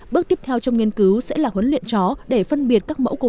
bước tiếp theo trong nghiên cứu sẽ là huấn luyện chó để phân biệt các mẫu covid một mươi chín